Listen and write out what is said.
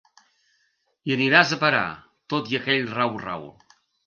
Hi aniràs a parar, tot i aquell rau rau.